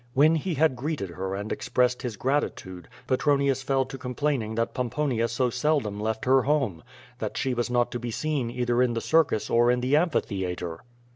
When lie had greeted her and expressed his gratitude, Petronius fell to complaining that Pomponia so seldom left her home; that she was not to be seen either in the circus or in the amphitheatre.